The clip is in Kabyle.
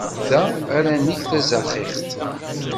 Da ara neg tazaxixt.